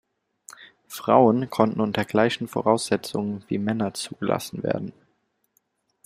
Frauen konnten unter gleichen Voraussetzungen wie Männer zugelassen werden.